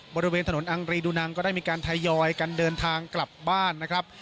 บริเวณถนนอังรีดูนังก็ได้มีการทยอยกันเดินทางกลับบ้านนะครับ